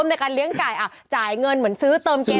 ในการเลี้ยงไก่จ่ายเงินเหมือนซื้อเติมเกง